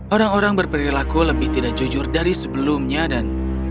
orang orang berperilaku lebih tidak jujur dari sebelumnya dan